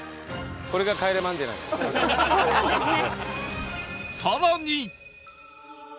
そうなんですね。